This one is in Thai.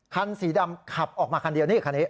คันสีดำขับออกมาคันเดียวนี่คันนี้